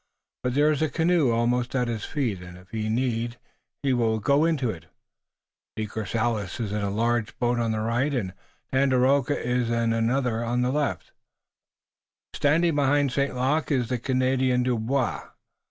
But there is a canoe almost at his feet, and if need be he will go into it. De Courcelles is in a large boat on the right, and Tandakora is in another on the left. On the land, standing behind St. Luc, is the Canadian, Dubois."